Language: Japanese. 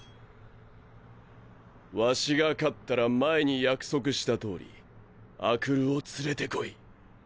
ワシが勝ったら前に約束した通り阿久留を連れて来い。